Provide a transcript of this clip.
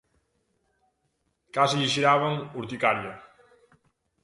Case lle xeraban urticaria.